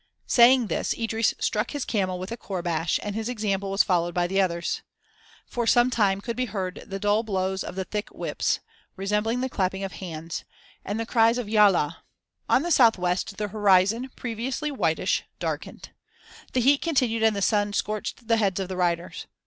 Saying this, Idris struck his camel with a courbash and his example was followed by the others. For some time could be heard the dull blows of the thick whips, resembling the clapping of hands, and the cries of "Yalla." On the southwest the horizon, previously whitish, darkened. The heat continued and the sun scorched the heads of the riders.